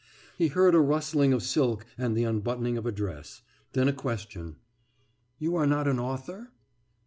He heard a rustling of silk and the unbuttoning of a dress, then a question: »You are not an author?